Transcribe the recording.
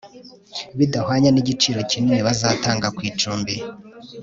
bidahwanye nigiciro kinini bazatanga ku icumbi